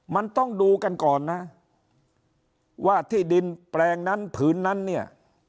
มันต้องดูกันก่อนนะว่าที่ดินแปลงนั้นผืนนั้นเนี่ย